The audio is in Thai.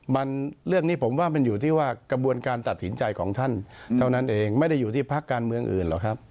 มันเรื่องนี้ผมว่ามันอยู่ที่ว่ากระบวนการตัดสินใจของท่านเท่านั้นเองไม่ได้อยู่ที่พักการเมืองอื่นหรอกครับ